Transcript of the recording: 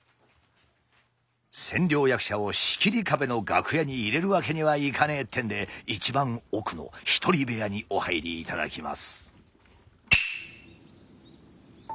千両役者を仕切り壁の楽屋に入れるわけにはいかねえってんで一番奥の１人部屋にお入りいただきます。